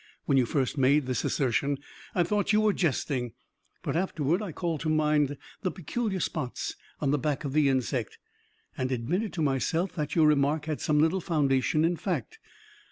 When you first made this assertion I thought you were jesting; but afterward I called to mind the peculiar spots on the back of the insect, and admitted to myself that your remark had some little foundation in fact.